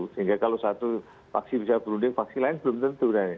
sehingga kalau satu faksi bisa berunding faksi lain belum tentu